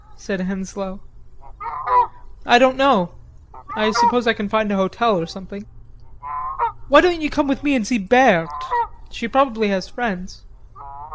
said Henslowe. "I don't know.... I suppose I can find a hotel or something." "Why don't you come with me and see Berthe; she probably has friends."